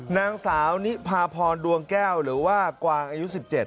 นางสาวนิพาพรดวงแก้วหรือว่ากวางอายุ๑๗